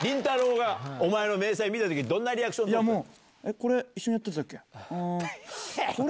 が、お前の明細見たとき、どんなリアクションしたの？